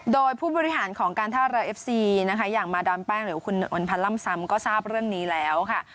โดยผู้บริหารของการท่าเรือเอฟซีนะคะอย่างมาดามแป้งหรือคุณอนพันธ์ล่ำซ้ำก็ทราบเรื่องนี้แล้วค่ะ